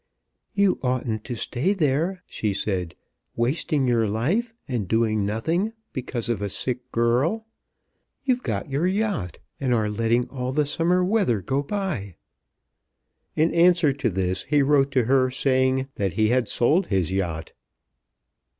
"You oughtn't to stay there," she said, "wasting your life and doing nothing, because of a sick girl. You've got your yacht, and are letting all the summer weather go by." In answer to this he wrote to her, saying that he had sold his yacht.